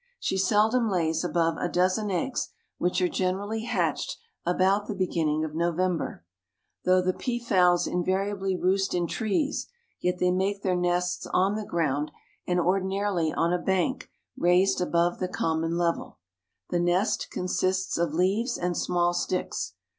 She seldom lays above a dozen eggs, which are generally hatched about the beginning of November. Though the peafowls invariably roost in trees, yet they make their nests on the ground, and ordinarily on a bank raised above the common level. The nest consists of leaves and small sticks.